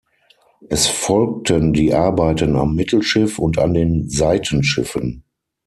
Es folgten die Arbeiten am Mittelschiff und an den Seitenschiffen.